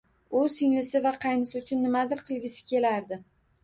U singlisi va qaynisi uchun nimadir qilgisi kelardi